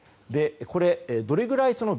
これ、どれぐらいＢＡ．